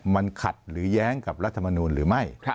มันขัดหรือแย้งกับรัฐมนูลหรือไม่